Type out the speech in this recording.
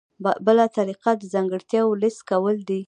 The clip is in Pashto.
بله طریقه د ځانګړتیاوو لیست کول دي.